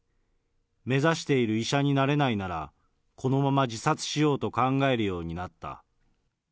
目指している医者になれないなら、このまま自殺しようと考えるようになった。